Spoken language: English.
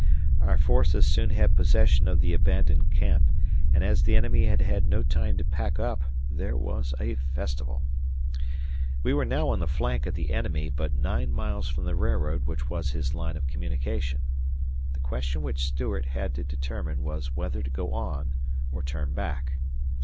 Our forces soon had possession of the abandoned camp and, as the enemy had had no time to pack up, there was a festival. We were now on the flank of the enemy but nine miles from the railroad which was his line of communication. The question which Stuart had to determine was whether to go on or turn back.